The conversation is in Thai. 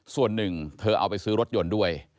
ส่วนหนึ่งเธอเอาไปซื้อรถยนต์ด้วย